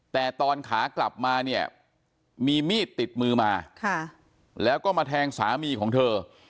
แต่ตอนขากลับมาเนี่ยมีมีดติดมือมาแล้วก็มาแทงสามีของเธอ